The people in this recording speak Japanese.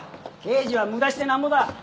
刑事は無駄してなんぼだ。